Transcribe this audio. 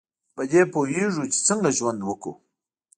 په دې پوهیږو چې څنګه ژوند وکړو.